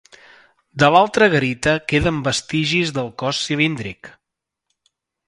De l'altra garita queden vestigis del cos cilíndric.